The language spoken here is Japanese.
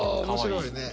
面白いね。